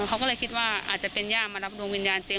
เขาก็เลยคิดว่าอาจจะเป็นย่ามารับดวงวิญญาณเจ๊